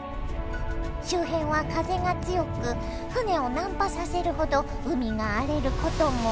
周辺は風が強く船を難破させるほど海が荒れることも。